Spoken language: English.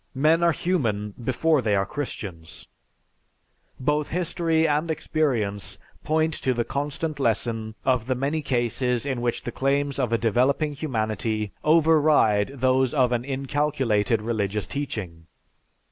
Men are human before they are Christians; both history and experience point to the constant lesson of the many cases in which the claims of a developing humanity override those of an inculcated religious teaching.